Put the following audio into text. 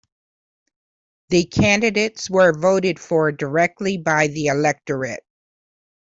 The candidates were voted for directly by the electorate.